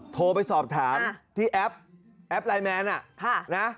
โทรไปสอบถามที่แอปแอปไลน์แมน